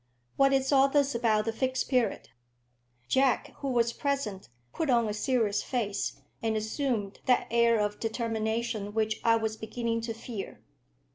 What is all this about the Fixed Period?" Jack, who was present, put on a serious face, and assumed that air of determination which I was beginning to fear.